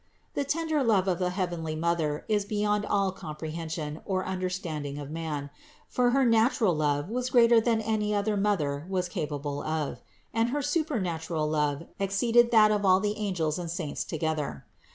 The tender love of the heavenly Mother is beyond all compre hension or understanding of man; for her natural love was greater than any other mother was capable of, and her supernatural love exceeded that of all the angels and saints together.